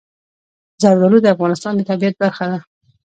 زردالو د افغانستان د طبیعت برخه ده.